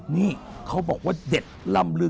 นี่เขาบอกว่าเด็ดลำลือ